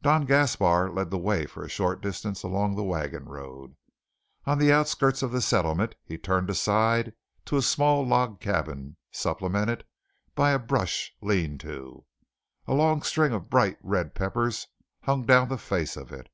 Don Gaspar led the way for a short distance along the wagon road. On the outskirts of the settlement he turned aside to a small log cabin supplemented by a brush lean to. A long string of bright red peppers hung down the face of it.